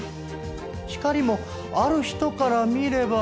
光もある人から見れば。